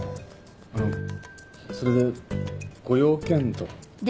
あのそれでご用件とは？